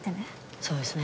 そうですね。